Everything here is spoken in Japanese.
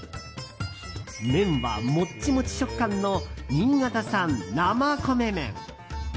麺はモッチモチ食感の新潟産生米麺。